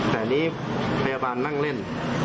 แต่อันนี้พยาบาลนั่งเล่น